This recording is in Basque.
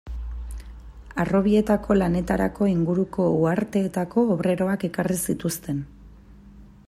Harrobietako lanetarako inguruko uharteetako obreroak ekarri zituzten.